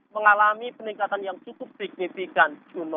mengalami peningkatan yang cukup signifikan